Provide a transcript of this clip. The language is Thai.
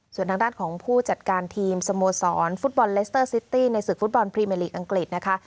ส่วนทางด้านของผู้จัดการทีมสโมสรฟุตบอลเลสเตอร์ซิตี้ในศึกฟุตบอลพรีเมอร์ลีกอังกฤษนะคะ